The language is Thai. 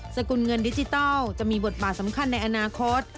สกุลเงินดิจิทัลจะมีบทบาทสำคัญในอนาคต